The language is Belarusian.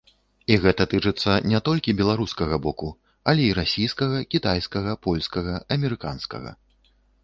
І гэта тычыцца не толькі беларускага боку, але і расійскага, кітайскага, польскага, амерыканскага.